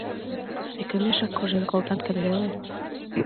Ӧкымешак кожен колтат гын веле.